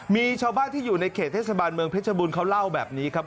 มีชาวบ้านที่อยู่ในเขตเทศบาลเมืองเพชรบูรณเขาเล่าแบบนี้ครับ